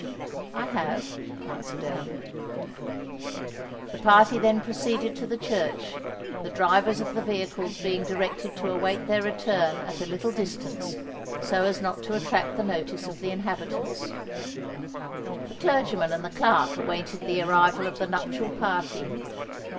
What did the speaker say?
"I have," answered Ellen. The party then proceeded to the church, the drivers of the vehicles being directed to await their return at a little distance, so as not to attract the notice of the inhabitants. The clergyman and the clerk awaited the arrival of the nuptial party.